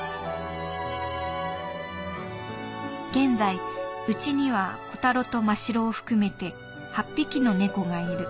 「現在うちにはコタロとマシロを含めて８匹の猫がいる。